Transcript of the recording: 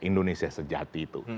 indonesia sejati itu